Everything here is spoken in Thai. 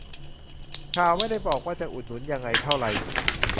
ข่าวไม่ได้บอกว่าจะอุดหนุนยังไงเท่าไร